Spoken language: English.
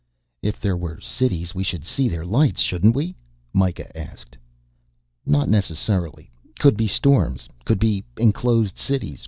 "If there were cities we should see their lights shouldn't we?" Mikah asked. "Not necessarily. Could be storms. Could be enclosed cities.